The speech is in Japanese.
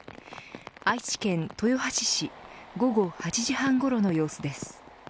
愛知県豊橋市午後８時半ごろの様子です。